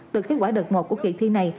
từ kết quả đợt một của kỳ thi này